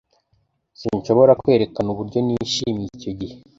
S Sinshobora kwerekana uburyo nishimiye icyo gihe.